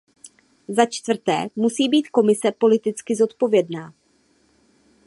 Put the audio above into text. Začtvrté musí být Komise politicky zodpovědná.